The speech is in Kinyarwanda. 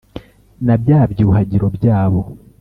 na byá byuhagiro byabo